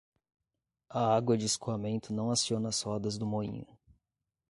A água de escoamento não aciona as rodas do moinho.